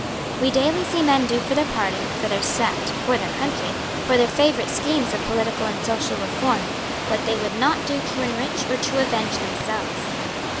We daily see men do for their party, for their sect, for their country, for their favourite schemes of political and social reform, what they would not do to enrich or to avenge themselves.